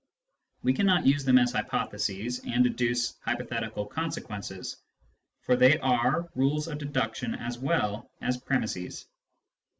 We cannot use them as hypo theses, and deduce hypothetical consequences, for they are rules of deduction as well as premisses.